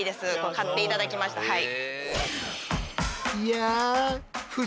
買って頂きましたはい。